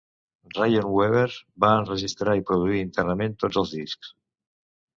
Ryan Weber va enregistrar i produir internament tots els discs.